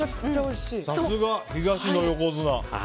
さすが、東の横綱。